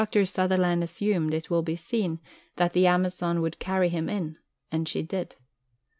Dr. Sutherland assumed, it will be seen, that the Amazon would carry him in; and she did.